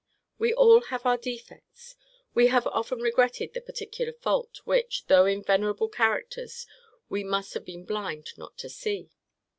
We have all our defects: we have often regretted the particular fault, which, though in venerable characters, we must have been blind not to see.